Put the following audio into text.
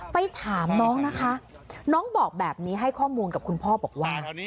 ไปถามน้องนะคะน้องบอกแบบนี้ให้ข้อมูลกับคุณพ่อบอกว่า